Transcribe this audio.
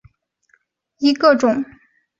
翅荚决明为豆科决明属下的一个种。